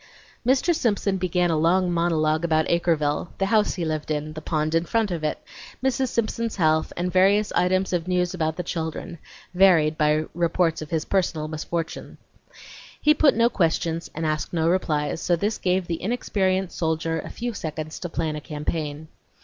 Mr. Simpson began a long monologue about Acreville, the house he lived in, the pond in front of it, Mrs. Simpson's health, and various items of news about the children, varied by reports of his personal misfortunes. He put no questions, and asked no replies, so this gave the inexperienced soldier a few seconds to plan a campaign.